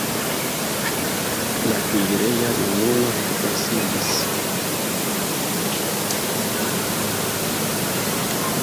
La kuireja junulo konsilis.